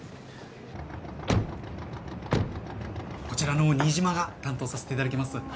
こちらの新島が担当させていただきます